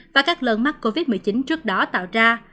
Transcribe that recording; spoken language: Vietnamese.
và các lần mắc covid một mươi chín trước đó tạo ra